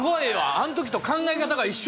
あの時と考え方が一緒。